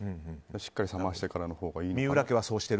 しっかり冷ましてからのほうがいいのかなって。